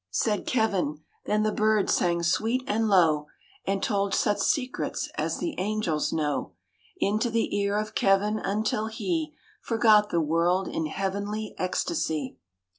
99 ioo SAINT KEVIN AND THE LARK Said Kevin ; then the bird sang sweet and low, And told such secrets as the angels know Into the ear of Kevin, until he Forgot the world in heavenly ecstasy.